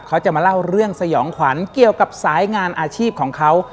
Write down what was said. เขาจะมาเล่าเรื่องสยองขวัญเกี่ยวกับสายงานอาชีพของเขา